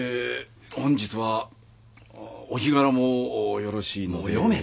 本日はあお日柄もよろしいので。